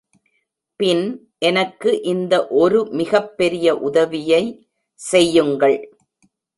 பின் எனக்கு இந்த ஒரு மிகப்பெரிய உதவியை செய்யுங்கள்.